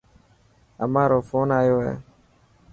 امان رو فون آيو هي.